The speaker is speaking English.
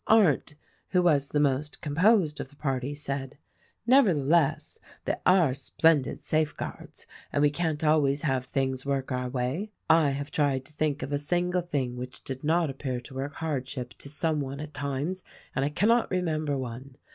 Arndt — who was the most composed of the party — said, "Nevertheless, they are splendid safeguards, and we can't always have things work our way. I have tried to think of a single thing which did not appear to work hardship to some one at times, and I cannot remember one.